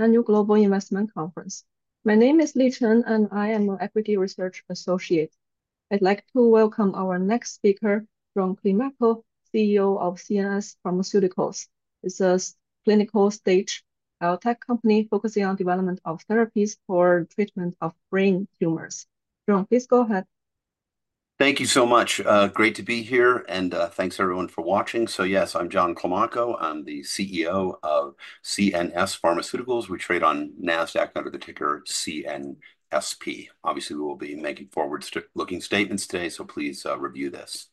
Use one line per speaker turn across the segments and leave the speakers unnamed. Annual Global Investment Conference. My name is Li Chen, and I am an equity research associate. I'd like to welcome our next speaker, John Climaco, CEO of CNS Pharmaceuticals. It's a clinical stage biotech company focusing on development of therapies for treatment of brain tumors. John, please go ahead.
Thank you so much. Great to be here, and thanks, everyone, for watching. So yes, I'm John Climaco. I'm the CEO of CNS Pharmaceuticals. We trade on Nasdaq under the ticker CNSP. Obviously, we will be making forward-looking statements today, so please, review this.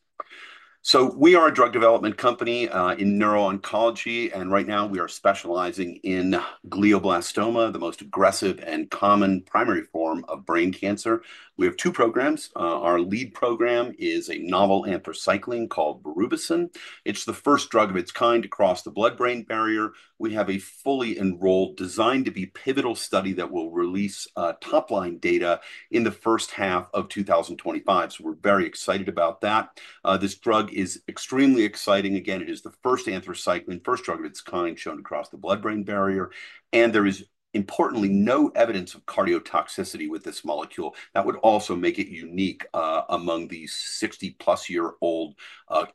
So we are a drug development company in neuro-oncology, and right now we are specializing in glioblastoma, the most aggressive and common primary form of brain cancer. We have two programs. Our lead program is a novel anthracycline called Berubicin. It's the first drug of its kind to cross the blood-brain barrier. We have a fully enrolled, designed-to-be-pivotal study that will release top-line data in the first half of 2025, so we're very excited about that. This drug is extremely exciting. Again, it is the first anthracycline, first drug of its kind, shown to cross the blood-brain barrier, and there is importantly no evidence of cardiotoxicity with this molecule. That would also make it unique among the 60-plus-year-old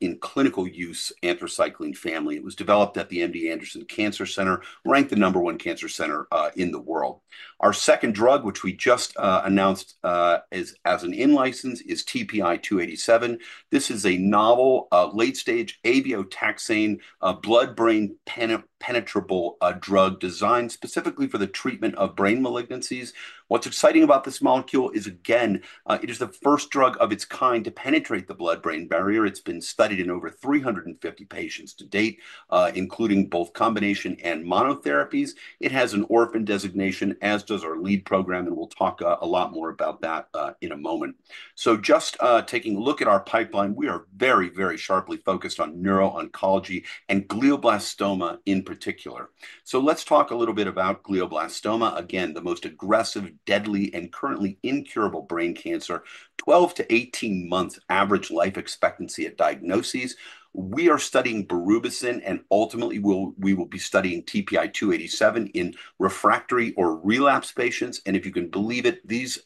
in clinical use anthracycline family. It was developed at the MD Anderson Cancer Center, ranked the number one cancer center in the world. Our second drug, which we just announced as an in-license, is TPI-287. This is a novel late-stage abeotaxane, a blood-brain penetrable drug designed specifically for the treatment of brain malignancies. What's exciting about this molecule is, again, it is the first drug of its kind to penetrate the blood-brain barrier. It's been studied in over 350 patients to date, including both combination and monotherapies. It has an orphan designation, as does our lead program, and we'll talk a lot more about that in a moment. So just taking a look at our pipeline, we are very, very sharply focused on neuro-oncology and glioblastoma in particular. So let's talk a little bit about glioblastoma. Again, the most aggressive, deadly, and currently incurable brain cancer, 12 months-18 months average life expectancy at diagnosis. We are studying Berubicin, and ultimately, we'll be studying TPI-287 in refractory or relapsed patients. And if you can believe it, these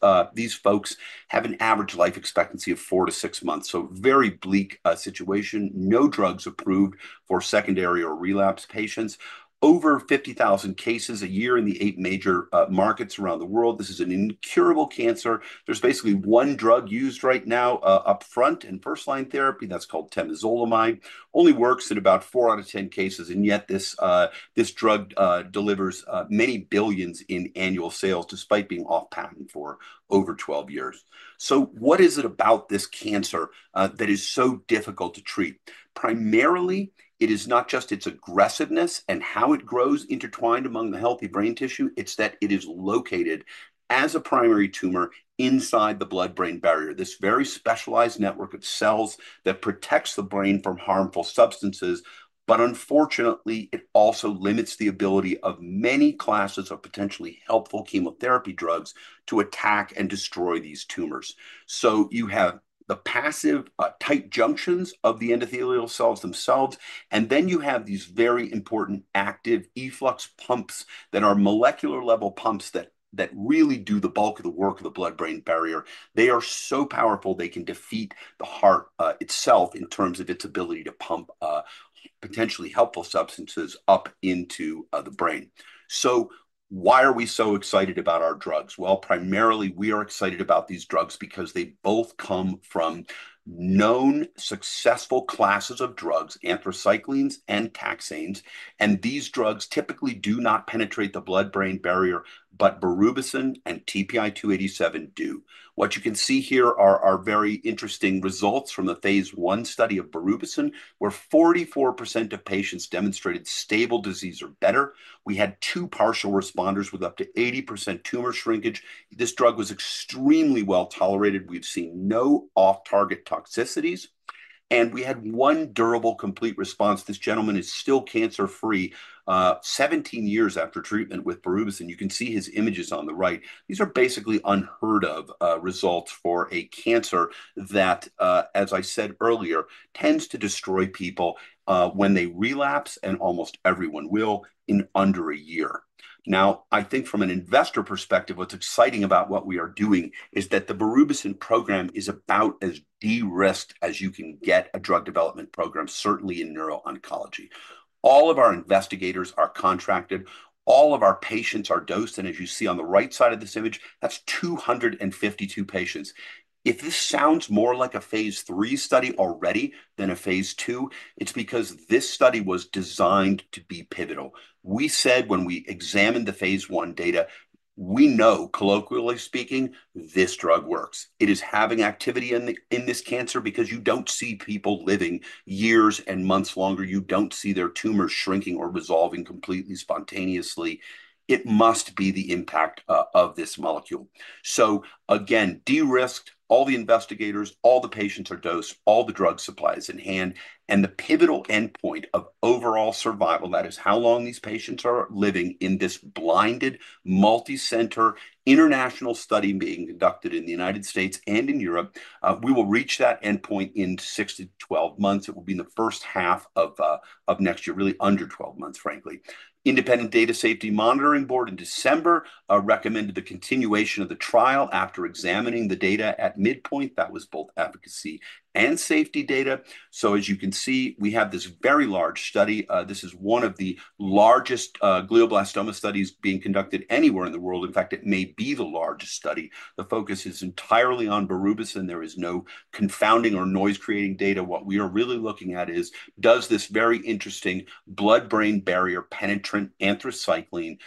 folks have an average life expectancy of 4 months-6 months, so very bleak situation. No drugs approved for secondary or relapse patients. Over 50,000 cases a year in the 8 major markets around the world. This is an incurable cancer. There's basically one drug used right now up front in first-line therapy, that's called temozolomide, only works in about four out of 10 cases, and yet this drug delivers many billions in annual sales, despite being off patent for over 12 years. So what is it about this cancer that is so difficult to treat? Primarily, it is not just its aggressiveness and how it grows intertwined among the healthy brain tissue, it's that it is located as a primary tumor inside the blood-brain barrier, this very specialized network of cells that protects the brain from harmful substances. But unfortunately, it also limits the ability of many classes of potentially helpful chemotherapy drugs to attack and destroy these tumors. So you have the passive tight junctions of the endothelial cells themselves, and then you have these very important active efflux pumps that are molecular-level pumps that really do the bulk of the work of the blood-brain barrier. They are so powerful they can defeat the heart itself in terms of its ability to pump potentially helpful substances up into the brain. So why are we so excited about our drugs? Well, primarily, we are excited about these drugs because they both come from known successful classes of drugs, anthracyclines and taxanes, and these drugs typically do not penetrate the blood-brain barrier, but Berubicin and TPI-287 do. What you can see here are very interesting results from the phase I study of Berubicin, where 44% of patients demonstrated stable disease or better. We had two partial responders with up to 80% tumor shrinkage. This drug was extremely well-tolerated. We've seen no off-target toxicities, and we had one durable, complete response. This gentleman is still cancer-free, seventeen years after treatment with Berubicin. You can see his images on the right. These are basically unheard of, results for a cancer that, as I said earlier, tends to destroy people, when they relapse, and almost everyone will, in under a year. Now, I think from an investor perspective, what's exciting about what we are doing is that the Berubicin program is about as de-risked as you can get a drug development program, certainly in neuro-oncology. All of our investigators are contracted, all of our patients are dosed, and as you see on the right side of this image, that's 252 patients. If this sounds more like a phase III study already than a phase II, it's because this study was designed to be pivotal. We said when we examined the phase I data, we know, colloquially speaking, this drug works. It is having activity in this cancer because you don't see people living years and months longer. You don't see their tumors shrinking or resolving completely spontaneously. It must be the impact of this molecule. So again, de-risked, all the investigators, all the patients are dosed, all the drug supply is in hand, and the pivotal endpoint of overall survival, that is how long these patients are living in this blinded multi-center international study being conducted in the United States and in Europe. We will reach that endpoint in six to 12 months. It will be in the first half of next year, really under twelve months, frankly. Independent Data Safety Monitoring Board in December recommended the continuation of the trial after examining the data at midpoint. That was both efficacy and safety data. So as you can see, we have this very large study. This is one of the largest glioblastoma studies being conducted anywhere in the world. In fact, it may be the largest study. The focus is entirely on Berubicin. There is no confounding or noise-creating data. What we are really looking at is, does this very interesting blood-brain barrier-penetrant anthracycline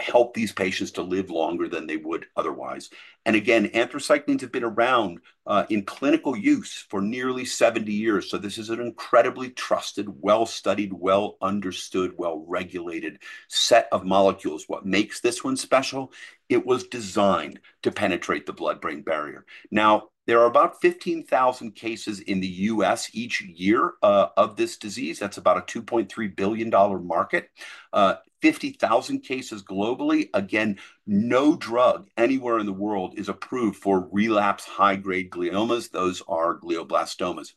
help these patients to live longer than they would otherwise? And again, anthracyclines have been around in clinical use for nearly seventy years, so this is an incredibly trusted, well-studied, well-understood, well-regulated set of molecules. What makes this one special? It was designed to penetrate the blood-brain barrier. Now, there are about fifteen thousand cases in the U.S. each year of this disease. That's about a $2.3 billion market. Fifty thousand cases globally. Again, no drug anywhere in the world is approved for relapsed high-grade gliomas. Those are glioblastomas.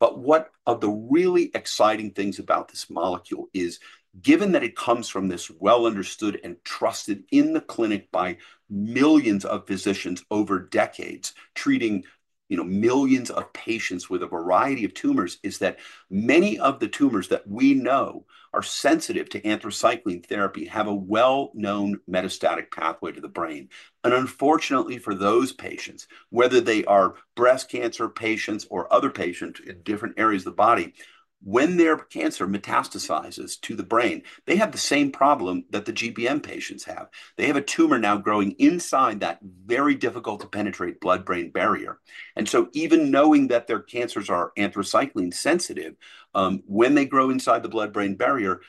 But what are the really exciting things about this molecule is, given that it comes from this well-understood and trusted in the clinic by millions of physicians over decades, treating, you know, millions of patients with a variety of tumors, is that many of the tumors that we know are sensitive to anthracycline therapy have a well-known metastatic pathway to the brain. Unfortunately for those patients, whether they are breast cancer patients or other patients in different areas of the body, when their cancer metastasizes to the brain, they have the same problem that the GBM patients have. They have a tumor now growing inside that very difficult-to-penetrate blood-brain barrier. So even knowing that their cancers are anthracycline sensitive, when they grow inside the blood-brain barrier,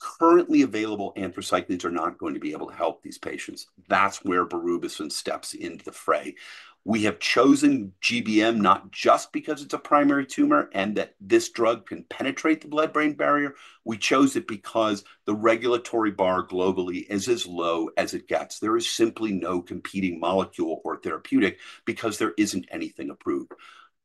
currently available anthracyclines are not going to be able to help these patients. That's where Berubicin steps into the fray. We have chosen GBM, not just because it's a primary tumor, and that this drug can penetrate the blood-brain barrier. We chose it because the regulatory bar globally is as low as it gets. There is simply no competing molecule or therapeutic because there isn't anything approved.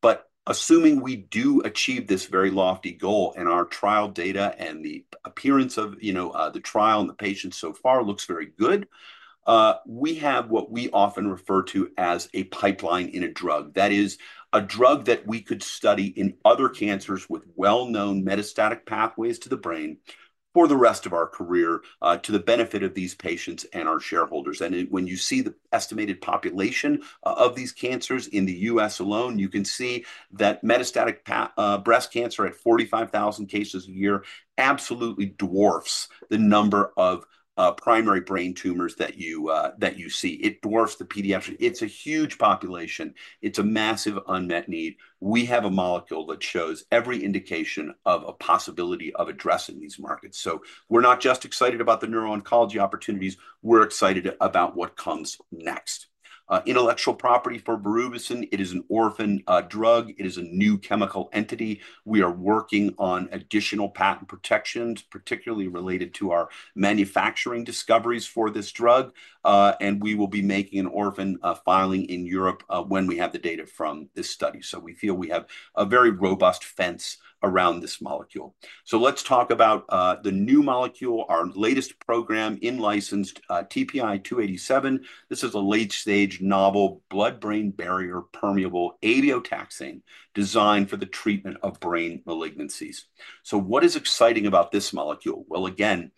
But assuming we do achieve this very lofty goal, and our trial data and the appearance of, you know, the trial and the patients so far looks very good, we have what we often refer to as a pipeline in a drug. That is a drug that we could study in other cancers with well-known metastatic pathways to the brain for the rest of our career, to the benefit of these patients and our shareholders. And it, when you see the estimated population of these cancers in the U.S. alone, you can see that metastatic breast cancer at 45,000 cases a year absolutely dwarfs the number of primary brain tumors that you see. It dwarfs the pediatric. It's a huge population. It's a massive unmet need. We have a molecule that shows every indication of a possibility of addressing these markets. So we're not just excited about the neuro-oncology opportunities, we're excited about what comes next. Intellectual property for Berubicin, it is an orphan drug. It is a new chemical entity. We are working on additional patent protections, particularly related to our manufacturing discoveries for this drug. And we will be making an orphan filing in Europe when we have the data from this study. So we feel we have a very robust fence around this molecule. So let's talk about the new molecule, our latest program, in-licensed TPI-287. This is a late-stage, novel, blood-brain barrier permeable abeotaxane designed for the treatment of brain malignancies. So what is exciting about this molecule? Well, again,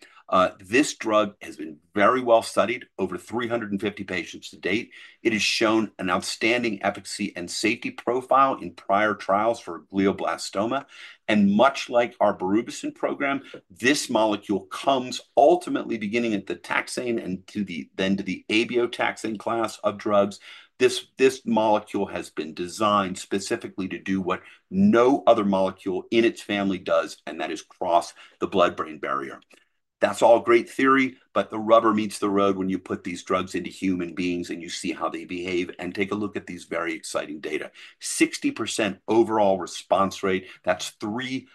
this drug has been very well-studied, over 350 patients to date. It has shown an outstanding efficacy and safety profile in prior trials for glioblastoma, and much like our Berubicin program, this molecule comes ultimately beginning at the taxane and to the abeotaxane class of drugs. This molecule has been designed specifically to do what no other molecule in its family does, and that is cross the blood-brain barrier. That's all great theory, but the rubber meets the road when you put these drugs into human beings and you see how they behave. And take a look at these very exciting data. 60% overall response rate, that's 39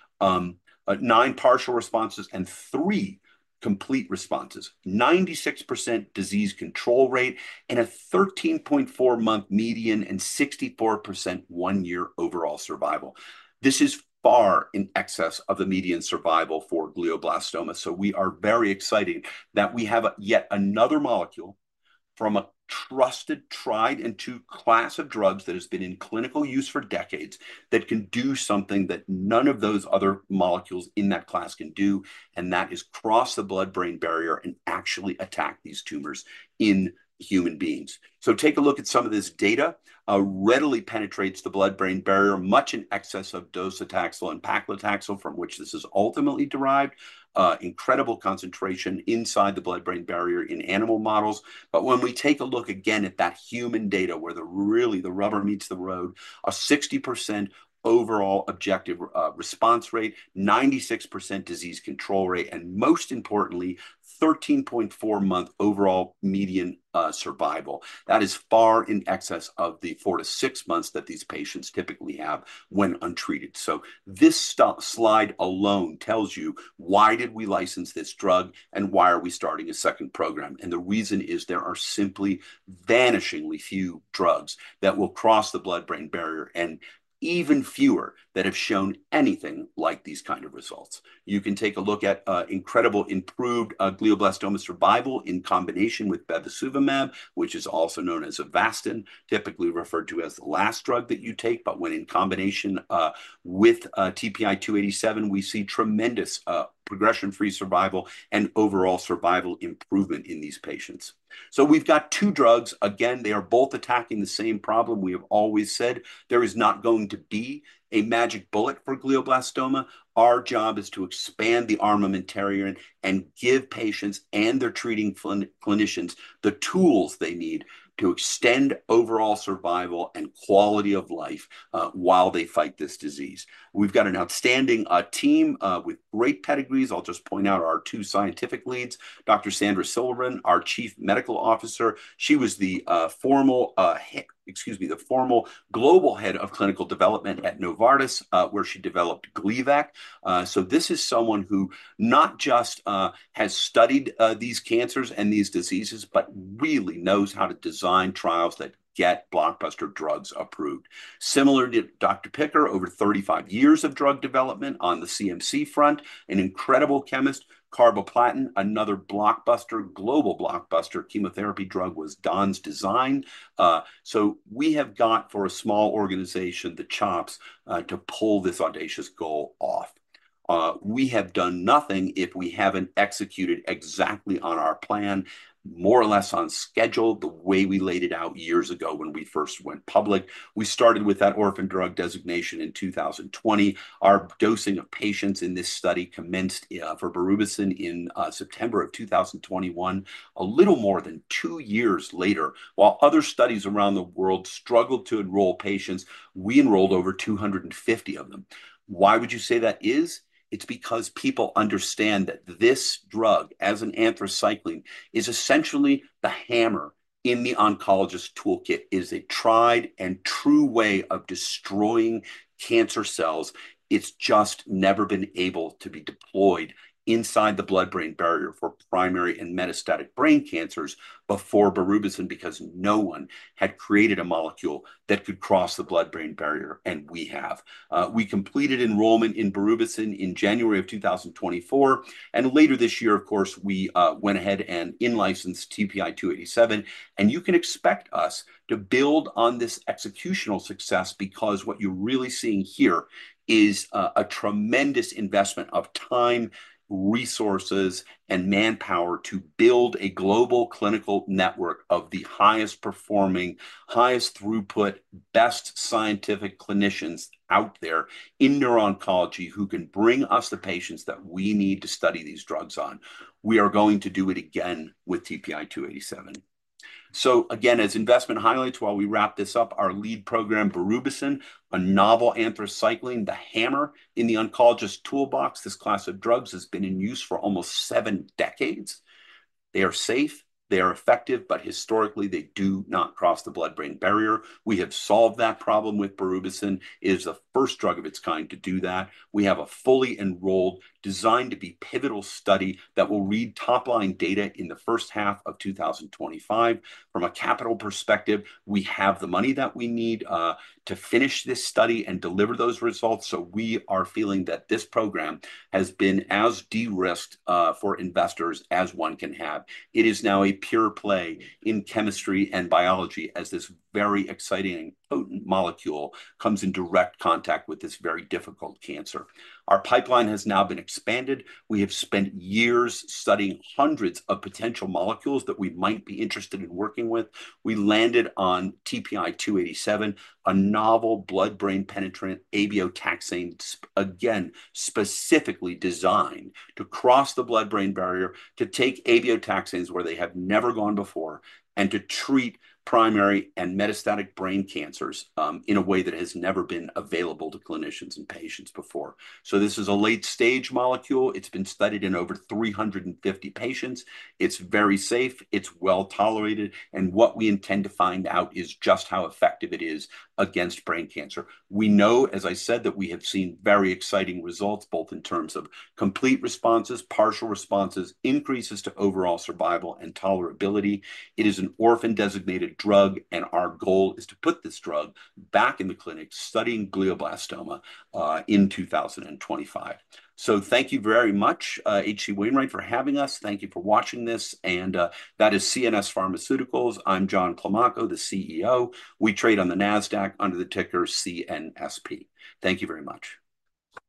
partial responses and three complete responses. 96% disease control rate and a 13.4-month median and 64% one-year overall survival. This is far in excess of the median survival for glioblastoma, so we are very excited that we have yet another molecule from a trusted, tried, and true class of drugs that has been in clinical use for decades, that can do something that none of those other molecules in that class can do, and that is cross the blood-brain barrier and actually attack these tumors in human beings, so take a look at some of this data. Readily penetrates the blood-brain barrier, much in excess of docetaxel and paclitaxel, from which this is ultimately derived. Incredible concentration inside the blood-brain barrier in animal models, but when we take a look again at that human data, where really the rubber meets the road, a 60% overall objective response rate, 96% disease control rate, and most importantly, 13.4-month overall median survival. That is far in excess of the four to six months that these patients typically have when untreated, so this slide alone tells you why did we license this drug, and why are we starting a second program? And the reason is, there are simply vanishingly few drugs that will cross the blood-brain barrier, and even fewer that have shown anything like these kind of results. You can take a look at incredible improved glioblastoma survival in combination with bevacizumab, which is also known as Avastin, typically referred to as the last drug that you take, but when in combination with TPI-287, we see tremendous progression-free survival and overall survival improvement in these patients, so we've got two drugs. Again, they are both attacking the same problem. We have always said there is not going to be a magic bullet for glioblastoma. Our job is to expand the armamentarium and give patients and their treating clinicians the tools they need to extend overall survival and quality of life while they fight this disease. We've got an outstanding team with great pedigrees. I'll just point out our two scientific leads, Dr. Sandra Silberman, our Chief Medical Officer. She was the former global head of clinical development at Novartis, where she developed Gleevec. So this is someone who not just has studied these cancers and these diseases, but really knows how to design trials that get blockbuster drugs approved. Similar to Dr. Picker, over thirty-five years of drug development on the CMC front, an incredible chemist. Carboplatin, another blockbuster, global blockbuster chemotherapy drug, was Don's design. So we have got, for a small organization, the chops to pull this audacious goal off. We have done nothing if we haven't executed exactly on our plan, more or less on schedule, the way we laid it out years ago when we first went public. We started with that orphan drug designation in 2020. Our dosing of patients in this study commenced for Berubicin in September of 2021. A little more than two years later, while other studies around the world struggled to enroll patients, we enrolled over 250 of them. Why would you say that is? It's because people understand that this drug, as an anthracycline, is essentially the hammer in the oncologist's toolkit, is a tried and true way of destroying cancer cells. It's just never been able to be deployed inside the blood-brain barrier for primary and metastatic brain cancers before Berubicin, because no one had created a molecule that could cross the blood-brain barrier, and we have. We completed enrollment in Berubicin in January 2024, and later this year, of course, we went ahead and in-licensed TPI-287. You can expect us to build on this executional success, because what you're really seeing here is a tremendous investment of time, resources, and manpower to build a global clinical network of the highest performing, highest throughput, best scientific clinicians out there in neuro-oncology, who can bring us the patients that we need to study these drugs on. We are going to do it again with TPI-287. So again, as investment highlights, while we wrap this up, our lead program, Berubicin, a novel anthracycline, the hammer in the oncologist's toolbox. This class of drugs has been in use for almost seven decades. They are safe, they are effective, but historically, they do not cross the blood-brain barrier. We have solved that problem with Berubicin. It is the first drug of its kind to do that. We have a fully enrolled, designed-to-be-pivotal study that will read top-line data in the first half of two thousand and twenty-five. From a capital perspective, we have the money that we need to finish this study and deliver those results, so we are feeling that this program has been as de-risked for investors as one can have. It is now a pure play in chemistry and biology, as this very exciting and potent molecule comes in direct contact with this very difficult cancer. Our pipeline has now been expanded. We have spent years studying hundreds of potential molecules that we might be interested in working with. We landed on TPI-287, a novel blood-brain penetrant abeotaxane, again, specifically designed to cross the blood-brain barrier, to take abeotaxanes where they have never gone before, and to treat primary and metastatic brain cancers, in a way that has never been available to clinicians and patients before. So this is a late-stage molecule. It has been studied in over 350 patients. It is very safe, it is well-tolerated, and what we intend to find out is just how effective it is against brain cancer. We know, as I said, that we have seen very exciting results, both in terms of complete responses, partial responses, increases to overall survival and tolerability. It is an orphan-designated drug, and our goal is to put this drug back in the clinic, studying glioblastoma, in 2025. So thank you very much, H.C. Wainwright, for having us. Thank you for watching this, and that is CNS Pharmaceuticals. I'm John Climaco, the CEO. We trade on the Nasdaq under the ticker CNSP. Thank you very much.